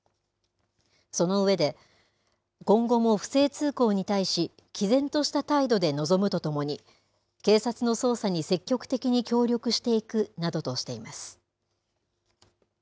その上で、今後も不正通行に対し、きぜんとした態度で臨むとともに、警察の捜査に積極的に協力していくなどとしています。